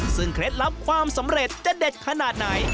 ซึ่งเคล็ดลับความสำเร็จจะเด็ดขนาดไหน